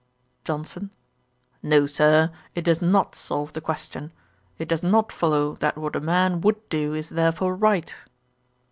JOHNSON. 'No, Sir, it does not solve the question. It does not follow that what a man would do is therefore right.'